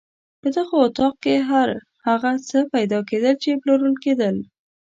په دغه اطاق کې هر هغه څه پیدا کېدل چې پلورل کېدل.